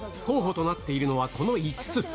候補となっているのはこの５つ。